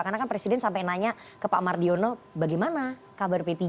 karena kan presiden sampai nanya ke pak mardiono bagaimana kabar p tiga